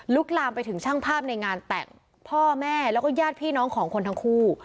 ลามไปถึงช่างภาพในงานแต่งพ่อแม่แล้วก็ญาติพี่น้องของคนทั้งคู่